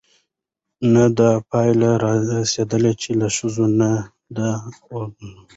نه دا پايله راايستې، چې له ښځې نه د ادلون